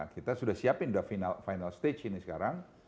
kita sudah siapin udah final stage ini sekarang